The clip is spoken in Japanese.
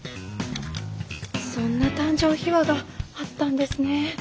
そんな誕生秘話があったんですね。